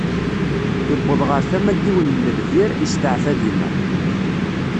Iwweḍ ɣer tama n yiwen n lbir, isteɛfa dinna.